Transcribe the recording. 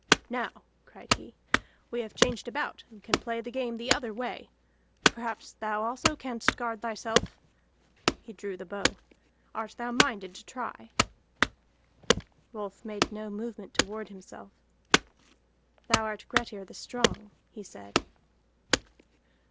"Now," cried he, "we have changed about, and can play the game the other way. Perhaps thou also canst guard thyself." He drew the bow. "Art thou minded to try?" Rolf made no movement to ward himself. "Thou art Grettir the Strong," he said.